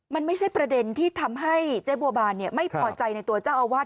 มันไม่ใช่ประเด็นที่ทำให้เจ๊บัวบานไม่พอใจในตัวเจ้าอาวาส